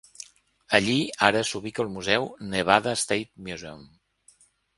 Allí ara s'ubica el museu Nevada State Museum.